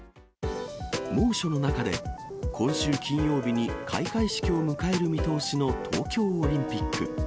猛暑の中で、今週金曜日に開会式を迎える見通しの東京オリンピック。